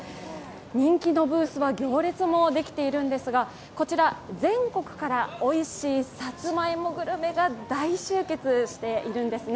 人気のブースは行列もできているんですがこちら、全国からおいしいさつまいもグルメが大集結しているんですね。